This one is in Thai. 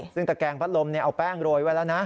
ซึ่งตะแกงพัดลมเอาแป้งโรยไว้แล้วนะ